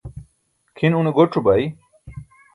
kʰin une goc̣o bai